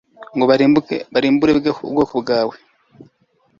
ngo barimbure ubwoko bwawe